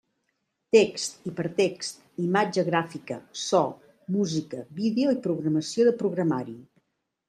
Text, hipertext, imatge gràfica, so, música, vídeo i programació de programari.